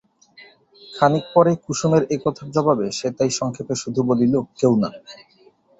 খানিক পরে কুসুমের একথার জবাবে সে তাই সংক্ষেপে শুধু বলিল, কেউ না।